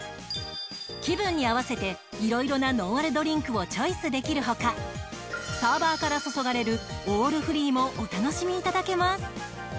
気分に合わせて色々なノンアルドリンクをチョイスできるほかサーバーから注がれるオールフリーもお楽しみいただけます。